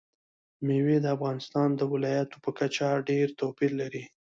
مېوې د افغانستان د ولایاتو په کچه ډېر توپیر لري.